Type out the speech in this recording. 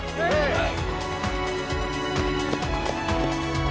はい。